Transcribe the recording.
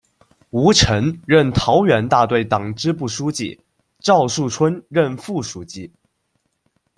吴臣任桃园大队党支部书记，赵树春任副书记。